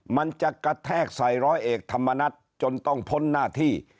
มันจะกระแทกใส่ร้อยเอกธรรมนัฐจนต้องพ้นหน้าที่